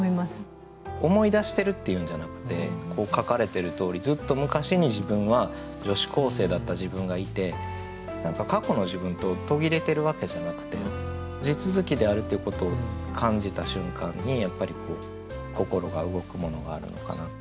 思い出してるっていうんじゃなくてこう書かれてるとおりずっとむかしに自分は女子高生だった自分がいて何か過去の自分と途切れてるわけじゃなくて地続きであるっていうことを感じた瞬間にやっぱり心が動くものがあるのかな。